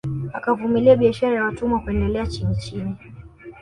Akavumilia biashara ya watumwa kuendelea chinichini